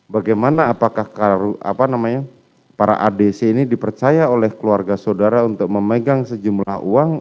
bagaimana apakah para adc ini dipercaya oleh keluarga saudara untuk memegang sejumlah uang